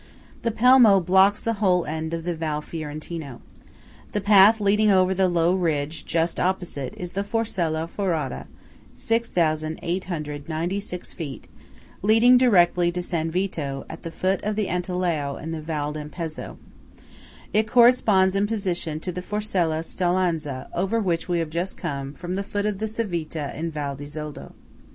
The Pelmo blocks the whole end of the Val Fiorentino. The path leading over the low ridge just opposite, is the Forcella Forada (6,896 feet) leading direct to San Vito at the foot of the Antelao in the Val d'Ampezzo. It corresponds in position to the Forcella Staulanza over which we have just come from the foot of the Civita in Val di Zoldo.